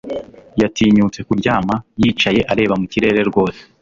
Yatinyutse kuryama; yicaye areba mu kirere rwose